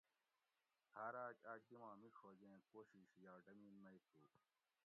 ہاراۤک آک دی ما مِیڄ ہوگیں کوشش یا ڈمین مئی تھو